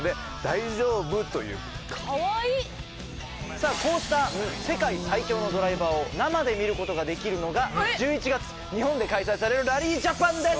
さあこうした世界最強のドライバーを生で見る事ができるのが１１月日本で開催されるラリージャパンです！